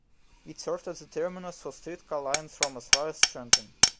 It served as the terminus for streetcar lines from as far as Trenton.